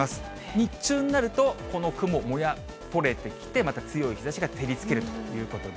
日中になると、この雲、もやっ、取れてきて、また強い日ざしが照りつけるということで。